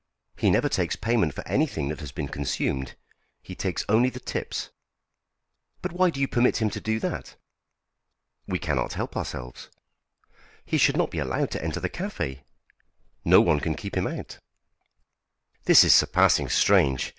"He never takes payment for anything that has been consumed. He takes only the tips." "But why do you permit him to do that?" "We cannot help ourselves." "He should not be allowed to enter the café." "No one can keep him out." "This is surpassing strange.